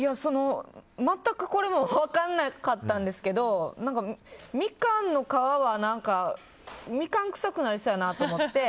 全く分からなかったんですけどミカンの皮は何かミカン臭くなりそうやなと思って。